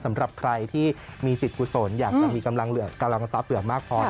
สำหรับใครที่มีจิตกุศลอยากจะมีกำลังทรัพย์เหลือมากพอ